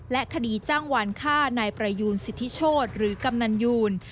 คดีจ้างวานฆ่านายประยูนสิทธิโชธหรือกำนันยูน